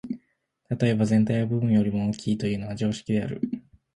例えば、「全体は部分よりも大きい」というのは常識である。